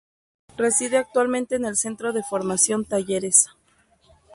Reside actualmente en el Centro de Formación Talleres.